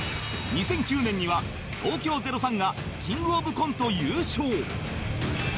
２００９年には東京０３がキングオブコント優勝